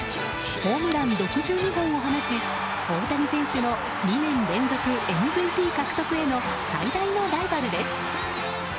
ホームラン６２本を放ち大谷選手の２年連続ＭＶＰ獲得の最大のライバルです。